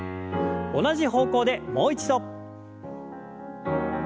同じ方向でもう一度。